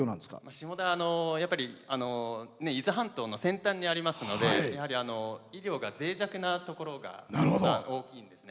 下田は伊豆半島の先端にありますので医療がぜい弱なところが大きいですね。